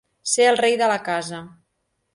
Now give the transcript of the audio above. Ser el rei de la casa.